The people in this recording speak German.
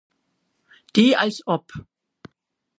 Die als op.